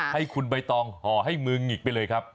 ให้คุณใบตองห่อให้มือหงิกไปเลยครับ